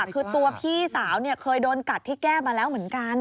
คือตัวพี่สาวเคยโดนกัดที่แก้มมาแล้วเหมือนกัน